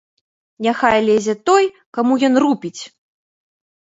Няхай лезе той, каму ён рупіць.